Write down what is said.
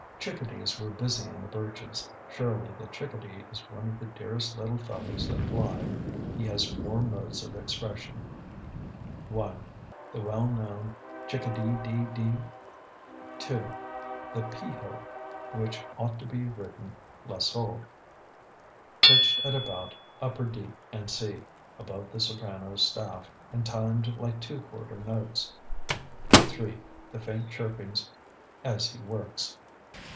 Chickadees were busy in the birches. Surely the chickadee is one of the dearest little fellows that fly. He has four modes of expression: 1. The well known "Chick a dee dee dee." 2. The "pe ho," which ought to be written "la sol," pitched at about upper D and C, above the soprano staff, and timed like two quarter notes. 3. The faint chirpings as he works.